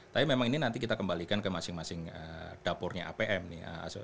tapi memang ini nanti kita kembalikan ke masing masing dapurnya apm nih